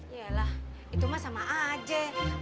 yelah itu mah sama aja